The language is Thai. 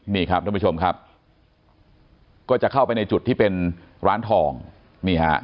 นี่ครับท่านผู้ชมครับก็จะเข้าไปในจุดที่เป็นร้านทองนี่ฮะ